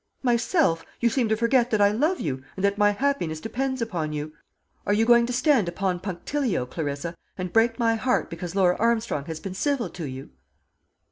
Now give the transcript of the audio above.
"Myself. You seem to forget that I love you, and that my happiness depends upon you. Are you going to stand upon punctilio, Clarissa, and break my heart because Laura Armstrong has been civil to you?"